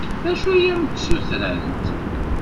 D acu i am-d-ssutrent?